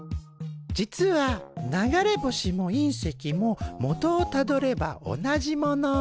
実は流れ星も隕石も元をたどれば同じもの。